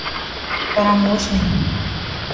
فراموش نہیں